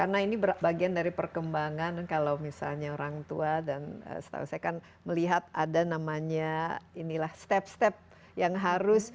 karena ini bagian dari perkembangan dan kalau misalnya orang tua dan setahu saya kan melihat ada namanya inilah step step yang harus